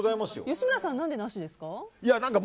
吉村さん、何でなしですか？